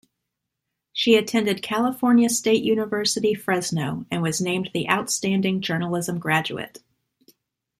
She attended California State University, Fresno and was named the Outstanding Journalism Graduate.